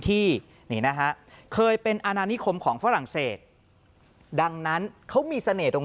ที่นี่นะฮะเคยเป็นอาณานิคมของฝรั่งเศสดังนั้นเขามีเสน่หลง